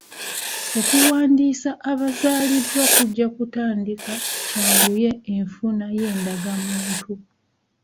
Okuwandiisa abazaaliddwa kujja kutandika kyanguye enfuna y'endagamuntu.